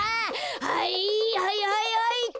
はいはいはいはいっと。